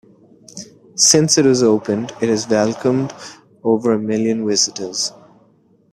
Since it was opened it has welcomed over a million visitors.